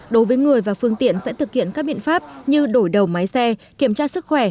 đối với người và phương tiện sẽ thực hiện các biện pháp như đổi đầu máy xe kiểm tra sức khỏe